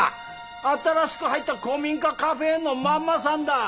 新しく入った古民家カフェのママさんだ。